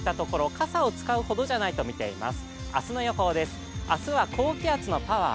傘を使うほどじゃないとみています。